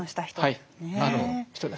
はい。